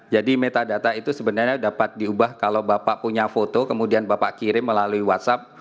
jadi metadata itu sebenarnya dapat diubah kalau bapak punya foto kemudian bapak kirim melalui whatsapp